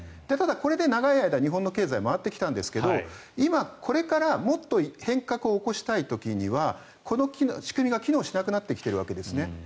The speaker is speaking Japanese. これで日本の経済は長い間、回ってきたんですけど今、これからもっと変革を起こしたい時にはこの仕組みが機能しなくなってきているわけです。